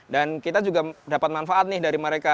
kita juga dapat manfaat nih dari mereka